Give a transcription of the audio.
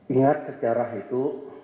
ingat sejarah itu